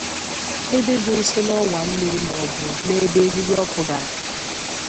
ebe dị nso n'ọwà mmiri maọbụ n'ebe eriri ọkụ gara